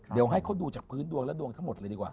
เดี๋ยวให้เขาดูจากพื้นดวงและดวงทั้งหมดเลยดีกว่า